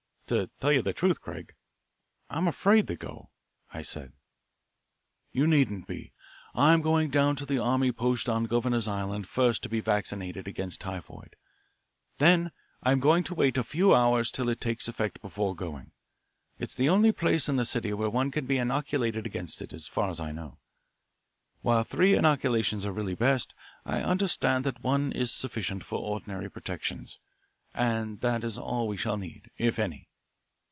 "To tell you the truth, Craig, I am afraid to go," I said. "You needn't be. I'm going down to the army post on Governor's Island first to be vaccinated against typhoid. Then I am going to wait a few hours till it takes effect before going. It's the only place in the city where one can be inoculated against it, so far as I know. While three inoculations are really best, I understand that one is sufficient for ordinary protection, and that is all we shall need, if any."